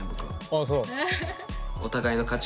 ああそう。